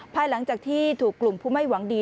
ภายหลังจากที่ถูกกลุ่มผู้ไม่หวังดี